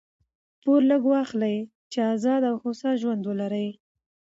پور لږ واخلئ! چي آزاد او هوسا ژوند ولرئ.